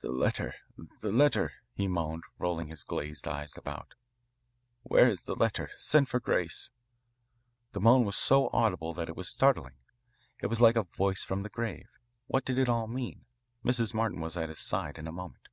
"The letter the letter," he moaned, rolling his glazed eyes about. "Where is the letter? Send for Grace." The moan was so audible that it was startling. It was like a voice from the grave. What did it all mean? Mrs. Martin was at his side in a moment.